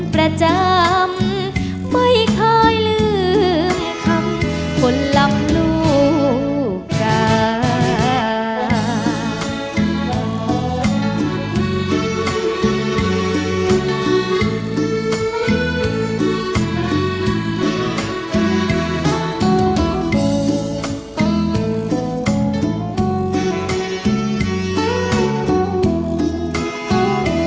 ประจำไม่เคยลืมคำคนลำลูกกา